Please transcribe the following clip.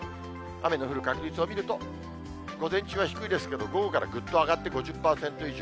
雨の降る確率を見ると、午前中は低いですけど、午後からぐっと上がって５０％以上。